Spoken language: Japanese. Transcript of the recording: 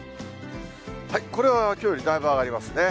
これはきょうよりだいぶ上がりますね。